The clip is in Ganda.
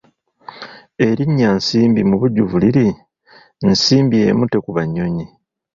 Erinnya Nsimbi mu bujjuvu liri Nsimbi emu tekuba nnyonyi.